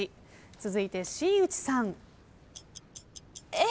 続いて新内さん。え！